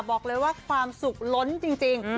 บอกเลยว่าความสุขล้นจริง